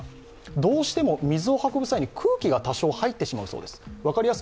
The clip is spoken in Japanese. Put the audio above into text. どうしても水を運ぶ際に空気がどうしても入ってしまうそうです。